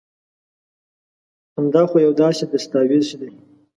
هم دا خو يو داسي دستاويز دي